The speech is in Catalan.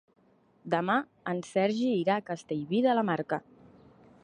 Demà en Sergi irà a Castellví de la Marca.